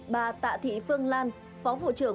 bà tạ thị phương lan phó vụ trưởng